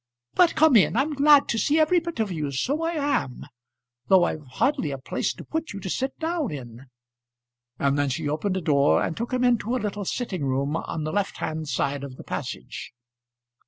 But come in. I'm glad to see every bit of you, so I am; though I've hardly a place to put you to sit down in." And then she opened a door and took him into a little sitting room on the left hand side of the passage.